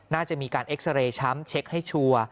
น่าจะมีการเอสเะเรชั้มเช็คให้ชัด